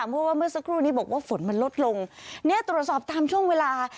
เพราะว่าเมื่อสักครู่นี้บอกว่าฝนมันลดลงเนี่ยตรวจสอบตามช่วงเวลา